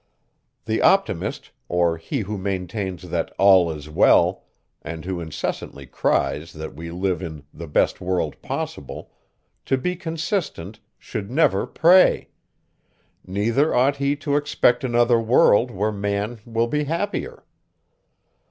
The Optimist, or he who maintains that all is well, and who incessantly cries that we live in the best world possible, to be consistent, should never pray; neither ought he to expect another world, where man will be happier.